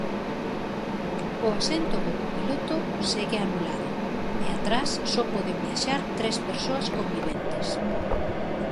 O asento do copiloto segue anulado e atrás só poden viaxar tres persoas conviventes.